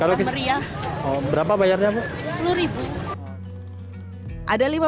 kalau meriah berapa bayarnya sepuluh rupiah